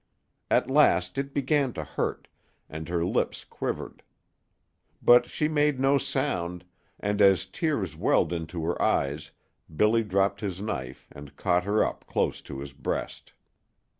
At last it began to hurt, and her lips quivered. But she made no sound, and as tears welled into her eyes Billy dropped his knife and caught her up close to his breast.